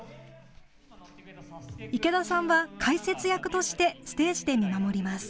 池田さんは解説役としてステージで見守ります。